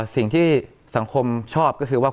สิ่งที่สังคมชอบก็คือว่า